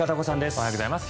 おはようございます。